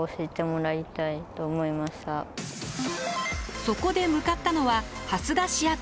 そこで向かったのは蓮田市役所。